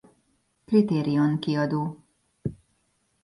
Kriterion Kiadó.